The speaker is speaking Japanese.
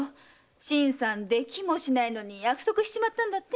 新さんできもしないのに約束しちまったんだって。